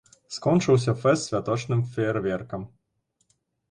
Скончыўся фэст святочным феерверкам.